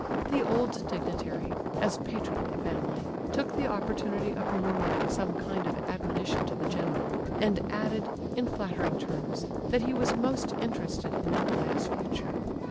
The old dignitary, as patron of the family, took the opportunity of murmuring some kind of admonition to the general, and added, in flattering terms, that he was most interested in Aglaya's future.